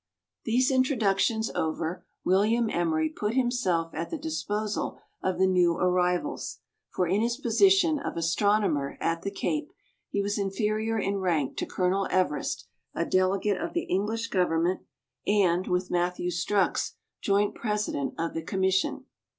These introductions over, William Emery put himself at the disposal of the new arrivals, for in his position o astronomer at the Cape, he was inferior in rank to Colonel Everest, a delegate of the English Government, and, with Matthew Strux, joint president of the commission.